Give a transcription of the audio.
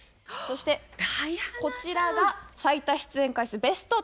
そしてこちらが最多出演回数